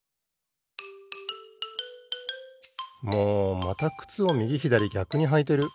もうまたくつをみぎひだりぎゃくにはいてる！